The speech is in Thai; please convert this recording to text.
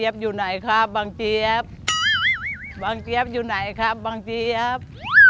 บางเจี๊ยบอยู่ไหนครับบางเจี๊ยบ